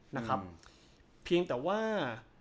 นะครับเพียงแต่ว่า